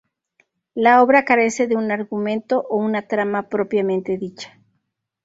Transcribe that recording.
La obra carece de un argumento o una trama propiamente dicha.